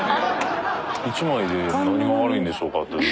１枚で何が悪いんでしょうかという。